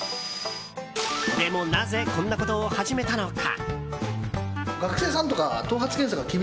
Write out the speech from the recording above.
でも、なぜこんなことを始めたのか。